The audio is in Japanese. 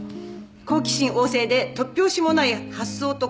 「好奇心旺盛で突拍子もない発想と行動」